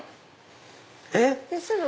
えっ？